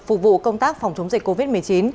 phục vụ công tác phòng chống dịch covid một mươi chín